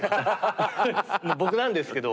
僕なんですけど。